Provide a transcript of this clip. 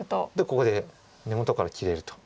ここで根元から切れると。